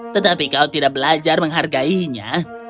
tetapi kau tidak belajar menghargainya